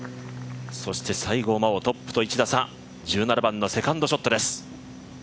そして西郷真央、トップと１打差、１７番のセカンドショットです。